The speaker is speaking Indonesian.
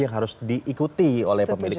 yang harus diikuti oleh pemilik